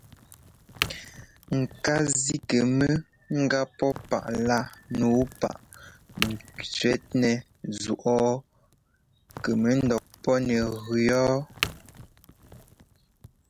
Ŋ ká zí kɛ mɔ gá pɔ́ páꞌlá nǔu páꞌ n tswɛ́nɛ́ zúꞌɔɔ kɛ mɔ ńdɔɔ pɔ́ nɛ gʉ ɔ́ɔ.